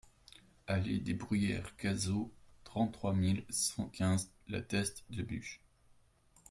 Allée des Bruyères Cazaux, trente-trois mille cent quinze La Teste-de-Buch